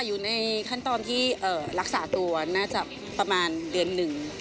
อยู่ในขั้นตอนที่รักษาตัวน่าจะประมาณเดือนหนึ่ง